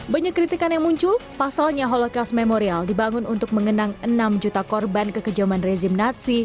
banyak kritikan yang muncul pasalnya holocaust memorial dibangun untuk mengenang enam juta korban kekejaman rezim natsi